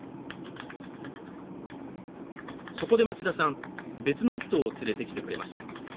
そこで町田さん、別の１頭を連れてきてくれました。